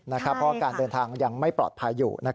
เพราะการเดินทางยังไม่ปลอดภัยอยู่